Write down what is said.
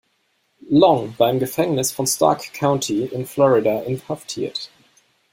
Long war im Gefängnis von Starke County in Florida inhaftiert.